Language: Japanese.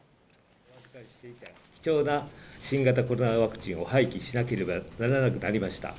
貴重な新型コロナワクチンを廃棄しなければならなくなりました。